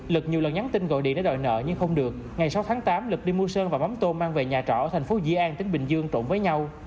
lực nhiều lần nhắn tin gọi điện để đòi nợ nhưng không được ngày sáu tháng tám lực đi mua sơn và mắm tôm mang về nhà trọ ở thành phố dĩ an tỉnh bình dương trộn với nhau